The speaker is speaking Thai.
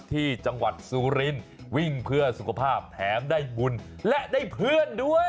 ที่จังหวัดสุรินทร์วิ่งเพื่อสุขภาพแถมได้บุญและได้เพื่อนด้วย